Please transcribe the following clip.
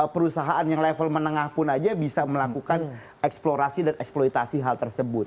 perusahaan yang level menengah pun aja bisa melakukan eksplorasi dan eksploitasi hal tersebut